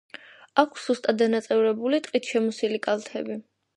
აქვს სუსტად დანაწევრებული ტყით შემოსილი კალთები.